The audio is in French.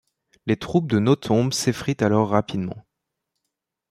Les troupes de Nothomb s'effritent alors rapidement.